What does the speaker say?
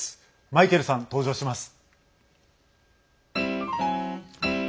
マイケルさん登場します。